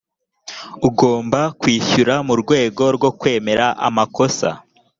ugomba kwishyura mu rwego rwo kwemera amakosa